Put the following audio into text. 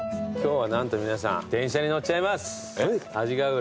今日は何と皆さん電車に乗っちゃいます。